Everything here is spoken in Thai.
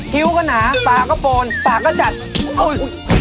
พิ้วก็หนาปากก็โปนปากก็จัดอุ้ย